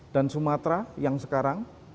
dan sumatera yang sekarang